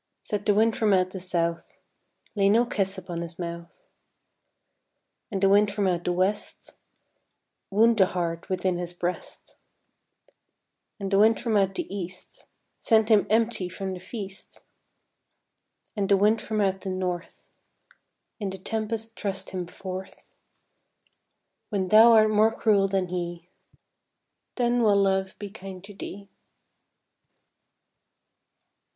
Said the wind from out the south, "Lay no kiss upon his mouth," And the wind from out the west, "Wound the heart within his breast," And the wind from out the east, "Send him empty from the feast," And the wind from out the north, "In the tempest thrust him forth; When thou art more cruel than he, Then will Love be kind to thee."